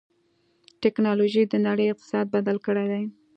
ټکنالوجي د نړۍ اقتصاد بدل کړی دی.